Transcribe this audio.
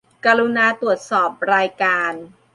กรุณาตรวจสอบรายการ